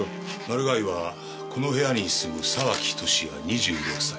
マルガイはこの部屋に住む沢木俊也２６歳。